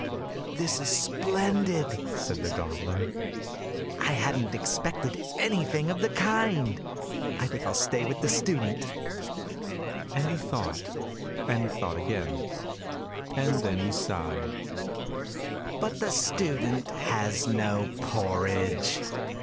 "This is splendid," said the goblin; "I hadn't expected anything of the kind! — I think I will stay with the student —!" and he thought — and thought again — and then he sighed, " but the student has no porridge!